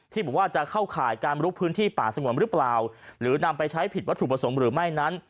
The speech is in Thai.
บอกว่าจะเข้าข่ายการลุกพื้นที่ป่าสงวนหรือเปล่าหรือนำไปใช้ผิดวัตถุประสงค์หรือไม่นั้น